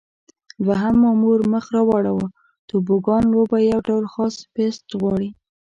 دوهم مامور مخ را واړاوه: توبوګان لوبه یو ډول خاص پېست غواړي.